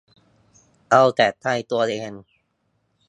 เอาแต่ใจตัวเอง